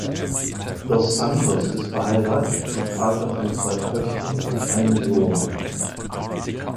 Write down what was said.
Dos Santos ist verheiratet und Vater von zwei Töchtern und einem Sohn.